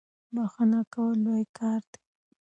بخښنه کول لوی کار دی.